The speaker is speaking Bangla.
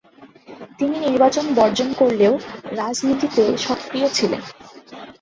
তিনি নির্বাচন বর্জন করলেও রাজনীতিতে সক্রিয় ছিলেন।